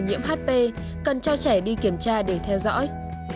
nếu có người nhiễm hp cần cho trẻ đi kiểm tra để theo dõi